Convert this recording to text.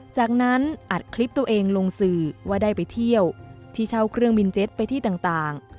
จากนั้นอัดคลิปตัวเองลงสื่อว่าได้ไปเที่ยวที่เช่าเครื่องบินเจ็ตไปที่ต่าง